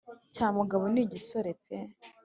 cya mugabo ni igisore pe!